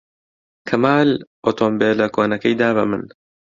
کەمال ئۆتۆمبێلە کۆنەکەی دا بە من.